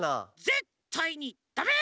ぜったいにだめ！